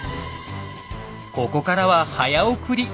ここからは早送り。